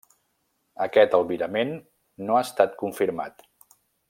Aquest albirament no ha estat confirmat.